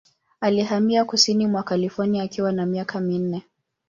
Alihamia kusini mwa California akiwa na miaka minne.